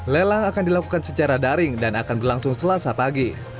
lelang akan dilakukan secara daring dan akan berlangsung selasa pagi